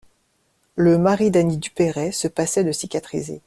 Le mari d'Anny Duperey se passait de cicatriser.